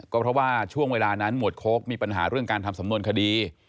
ก็เพราะว่าช่วงเวลานั้นหมวดโค้กมีปัญหาเรื่องการทำสำนวนคดี